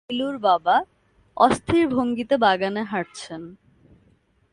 নীলুর বাবা অস্থির ভঙ্গিতে বাগানে হাঁটছেন।